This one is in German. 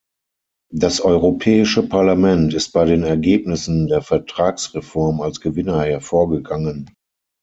Das Europäische Parlament ist bei den Ergebnissen der Vertragsreform als Gewinner hervorgegangen.